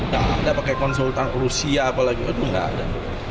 tidak ada pakai konsultan rusia apalagi itu tidak ada